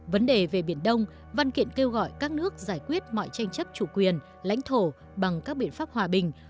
vấn đề về biển đông văn kiện kêu gọi các nước giải quyết mọi tranh chấp chủ quyền lãnh thổ bằng các biện pháp hòa bình